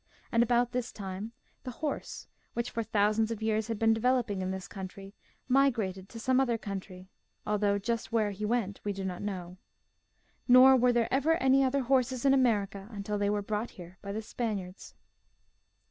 And about this time the horse, which, for thousands of years had been developing in this country, mi grated to some other country, although just where he went we do not know. Nor were there ever any other horses in America until they were brought here by the Spaniards.